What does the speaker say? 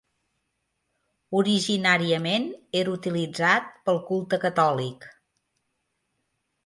Originàriament era utilitzat pel culte catòlic.